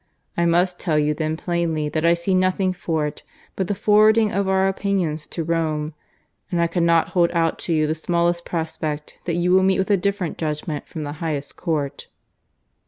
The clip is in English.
I must tell you then plainly that I see nothing for it but the forwarding of our opinions to Rome, and I cannot hold out to you the smallest prospect that you will meet with a different judgment from the highest court."